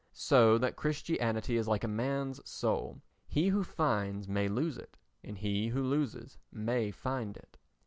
So that Christianity is like a man's soul—he who finds may lose it and he who loses may find it.